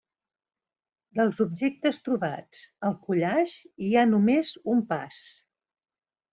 Dels objectes trobats al collage hi ha només un pas.